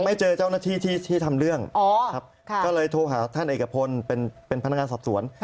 ไม่เจอเจ้าหน้าที่ที่ทำเรื่องก็เลยโทรหาท่านเอกพลเป็นพนักงานสอบสวน